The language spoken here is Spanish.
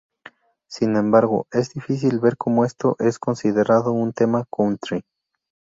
Sin embargo, es difícil ver como esto es considerado un tema "country".